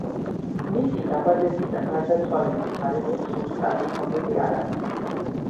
მისი დაბადების და გარდაცვალების თარიღი ზუსტად ცნობილი არ არის.